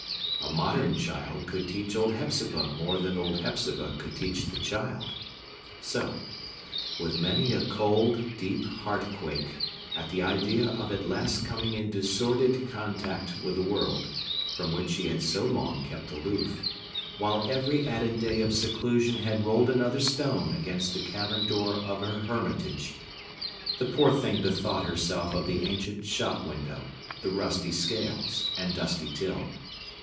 A modern child could teach old Hepzibah more than old Hepzibah could teach the child. So—with many a cold, deep heart quake at the idea of at last coming into sordid contact with the world, from which she had so long kept aloof, while every added day of seclusion had rolled another stone against the cavern door of her hermitage—the poor thing bethought herself of the ancient shop window, the rusty scales, and dusty till.